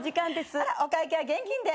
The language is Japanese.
お会計は現金で。